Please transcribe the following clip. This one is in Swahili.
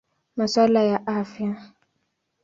Masuala ya Afya.